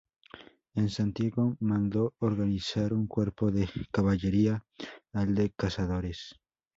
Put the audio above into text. En Santiago mandó organizar un cuerpo de caballería, el de Cazadores.